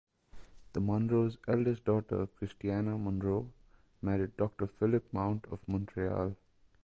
The Munro's eldest daughter, Christiana Munro, married Doctor Phillip Mount of Montreal.